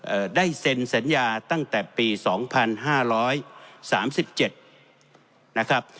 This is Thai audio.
ได้เซ็นสัญญาตั้งแต่ปีสองพันห้าร้อยสามสิบเจ็ดนะครับ